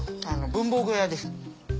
文房具屋です。